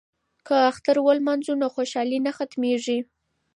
که اختر ولمانځو نو خوشحالي نه ختمیږي.